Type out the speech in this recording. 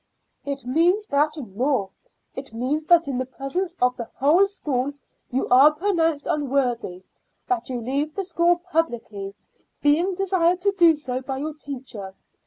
"It means that and more. It means that in the presence of the whole school you are pronounced unworthy, that you leave the school publicly, being desired to do so by your teacher.